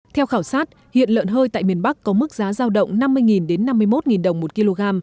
theo khảo sát hiện lợn hơi tại miền bắc có mức giá giao động năm mươi năm mươi một đồng một kg